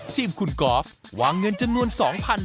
ทีมคุณกอล์ฟวางเงินจำนวน๒๐๐บาท